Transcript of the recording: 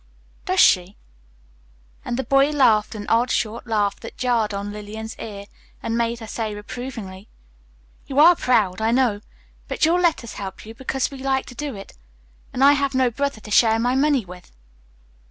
"Does she?" And the boy laughed an odd, short laugh that jarred on Lillian's ear and made her say reprovingly, "You are proud, I know, but you'll let us help you because we like to do it, and I have no brother to share my money with."